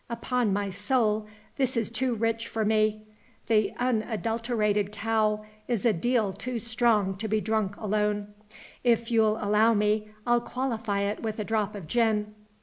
"Upon my soul, this is too rich for me! The unadulterated cow is a deal too strong to be drunk alone. If you'll allow me I'll qualify it with a drop of gin.